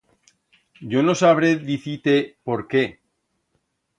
Yo no sabré dicir-te por qué.